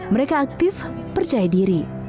mereka aktif percaya diri